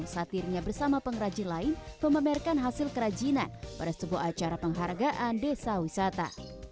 satirnya bersama pengrajin lain memamerkan hasil kerajinan pada sebuah acara penghargaan desa wisata